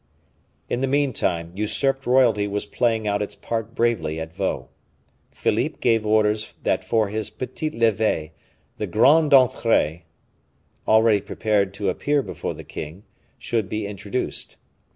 In the meantime, usurped royalty was playing out its part bravely at Vaux. Philippe gave orders that for his petit lever the grandes entrees, already prepared to appear before the king, should be introduced.